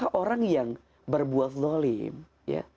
nah maka orang yang berbuat dolim ya